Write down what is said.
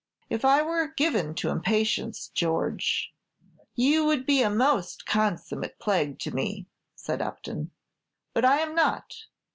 "If I were given to impatience, George, you would be a most consummate plague to me," said Upton; "but I am not.